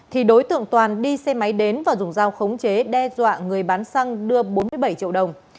thì đối tượng toàn đi xe máy đến và dùng dao khống chế đe dọa người bán xăng đưa bốn mươi bảy triệu đồng